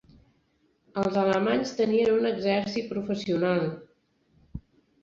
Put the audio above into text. Els alemanys tenien un exèrcit professional...